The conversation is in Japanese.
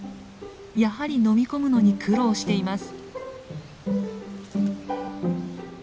やはり飲み込むのに苦労しています。